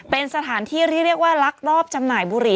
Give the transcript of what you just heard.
เป็นสถานที่ที่เรียกว่าลักลอบจำหน่ายบุห